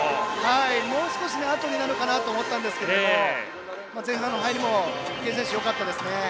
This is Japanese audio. もう少しあとになるかなと思ったんですが前半の入りも池江選手よかったですね。